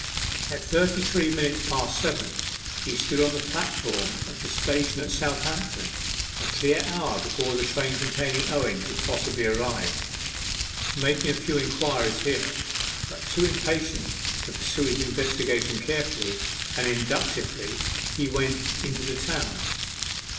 At thirty three minutes past seven he stood on the platform of the station at Southampton a clear hour before the train containing Owen could possibly arrive. Making a few inquiries here, but too impatient to pursue his investigation carefully and inductively, he went into the town.